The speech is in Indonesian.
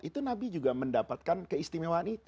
itu nabi juga mendapatkan keistimewaan itu